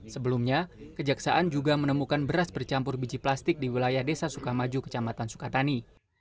sebelumnya kejaksaan juga menemukan beras bercampur biji plastik di wilayah desa sukamaju kecamatan sukatani